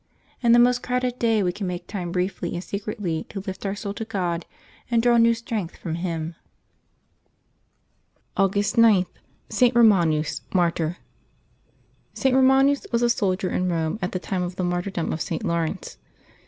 In the most crowded day we can make time briefly and secretly to lift our soul to God and draw new strength from Him. August 9.— ST. ROMANUS, Martyr. [t. Eomaxus was a soldier in Eome at the time of the martyrdom of St. Laurence.